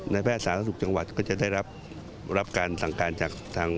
แพทย์สาธารณสุขจังหวัดก็จะได้รับการสั่งการจากทาง